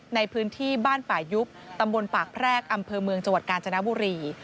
ในพื้นที่บ้านป่ายุบตำบลปากแพรกอำเภอเมืองจังหวัดกาญจนบุรี